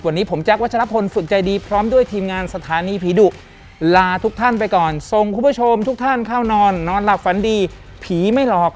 วันนี้ผมแจ๊ควัชลพลฝึกใจดีพร้อมด้วยทีมงานสถานีผีดุลาทุกท่านไปก่อนส่งคุณผู้ชมทุกท่านเข้านอนนอนหลับฝันดีผีไม่หลอก